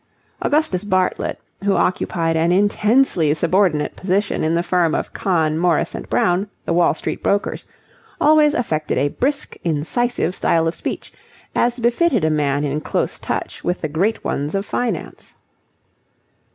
Augustus Bartlett, who occupied an intensely subordinate position in the firm of Kahn, Morris and Brown, the Wall Street brokers, always affected a brisk, incisive style of speech, as befitted a man in close touch with the great ones of Finance.